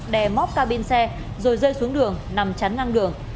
đè móc ca bin xe rồi rơi xuống đường nằm chắn ngang đường